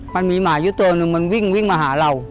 มันมีหมาอยู่ตัวหนึ่งมันวิ่งมาหาเรา